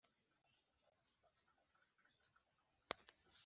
nk'uko bizaba, n'abamarayika beza ba kamere yacu. ”